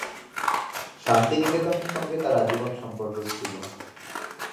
শান্তিনিকেতনের সঙ্গে তার আজীবন সম্পর্ক ছিল।